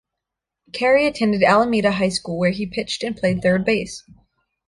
Carey attended Alameda High School where he pitched and played third base.